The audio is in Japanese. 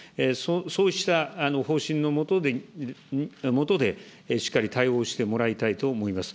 そうした方針のもとでしっかり対応してもらいたいと思います。